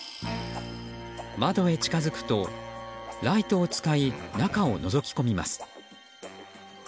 窓へ近づくとライトを使い中を覗き込みます。